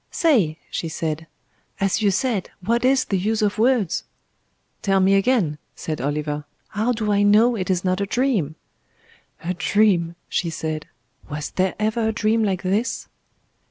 "Say!" she said. "As you said, What is the use of words?" "Tell me again," said Oliver. "How do I know it is not a dream?" "A dream," she said. "Was there ever a dream like this?"